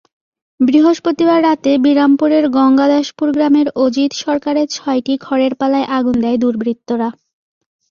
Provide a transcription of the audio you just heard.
বৃহস্পতিবার রাতে বিরামপুরের গঙ্গাদাসপুর গ্রামের অজিত সরকারের ছয়টি খড়ের পালায় আগুন দেয় দুর্বৃত্তরা।